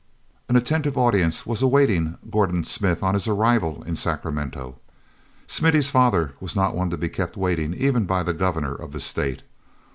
n attentive audience was awaiting Gordon Smith on his arrival in Sacramento. Smithy's father was not one to be kept waiting even by the Governor of the state.